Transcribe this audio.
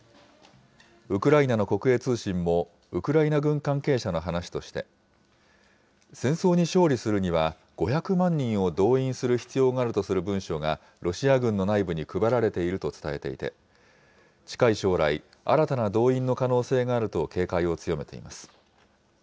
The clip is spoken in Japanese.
ウクライナの国営通信も、ウクライナ軍関係者の話として、戦争に勝利するには５００万人を動員する必要があるとする文書がロシア軍の内部に配られていると伝えていて、近い将来、新たな動員の可能性があると警戒を強めています。